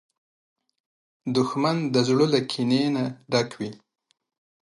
دښمن د زړه له کینې نه ډک وي